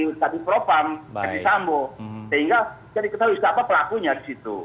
sehingga jadi kita tahu siapa pelakunya di situ